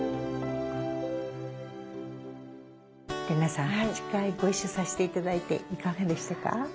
麗奈さん８回ご一緒させて頂いていかがでしたか？